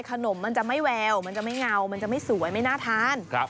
มันจะไม่แววมันจะไม่เงามันจะไม่สวยไม่น่าทาน